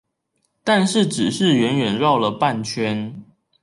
但是只是遠遠繞了半圈